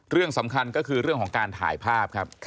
เรื่องสำคัญก็คือเรื่องของการถ่ายภาพครับ